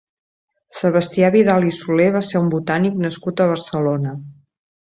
Sebastián Vidal i Soler va ser un botànic nascut a Barcelona.